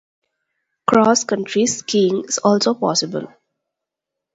Cross country skiing is also possible.